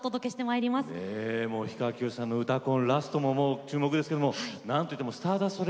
ねえもう氷川きよしさんの「うたコン」ラストも注目ですけども何といってもスターダスト☆